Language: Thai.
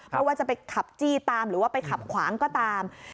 เพราะว่าจะไปขับจี้ตามหรือว่าไปขับขวางก็ตาม